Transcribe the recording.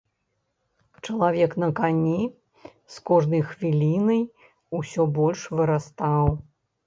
Чалавек на кані з кожнай хвілінай усё больш вырастаў.